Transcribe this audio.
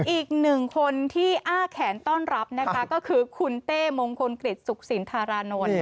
อีกหนึ่งคนที่อ้าแขนต้อนรับนะคะก็คือคุณเต้มงคลกฤษสุขสินธารานนท์